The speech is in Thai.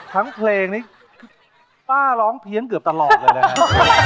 ทั้งเพลงนี้ป้าร้องเพี้ยนเกือบตลอดเลยนะฮะ